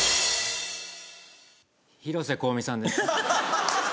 広瀬香美さんです。